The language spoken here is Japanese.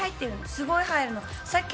すごく入るの。